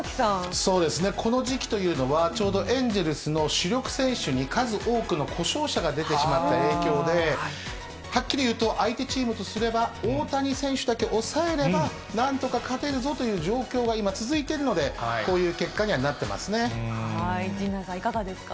そうですね、この時期というのは、ちょうどエンゼルスの主力選手に数多くの故障者が出てしまった影響で、はっきり言うと、相手チームとすれば、大谷選手だけ抑えれば、なんとか勝てるぞという状況が今、続いているので、こういう陣内さん、いかがですか。